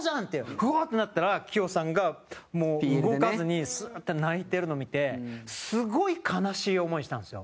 うわー！ってなってたらキヨさんが、もう動かずにスッて泣いてるの見てすごい悲しい思いしたんですよ。